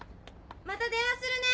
また電話するね。